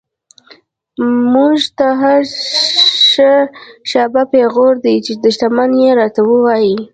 مونږ ته هر “شابه” پیغور دۍ، چی دشمن یی راته وایی